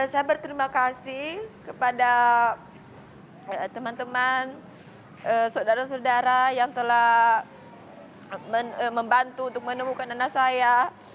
saya berterima kasih kepada teman teman saudara saudara yang telah membantu untuk menemukan anak saya